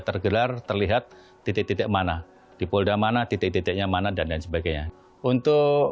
tergelar terlihat titik titik mana di polda mana titik titiknya mana dan lain sebagainya untuk